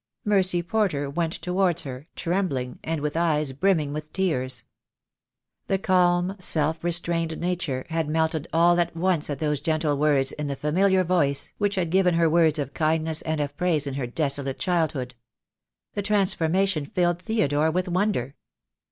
Mercy Porter went towards her, trembling, and with eyes brimming with tears. The calm, self restrained nature had melted all at once at those gentle words in the familiar voice which had given her words of kindness and of praise in her desolate childhood. The transformation filled Theodore with wonder.